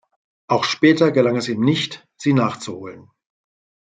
Auch später gelang es ihm nicht, sie nachzuholen.